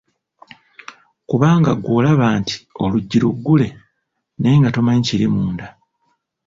Kubanga ggwe olaba nti oluggi luggule naye nga tomanyi kiri munda!